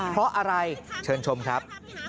เพราะอะไรเชิญชมครับ